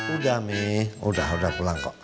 udah mi udah pulang kok